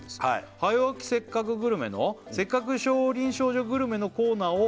「「早起きせっかくグルメ！！」の「せっかく少林少女グルメ」のコーナーを」